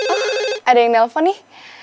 oh ada yang nelfon nih